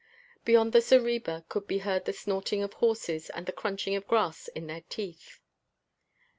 Beyond the zareba could be heard the snorting of horses and the crunching of grass in their teeth.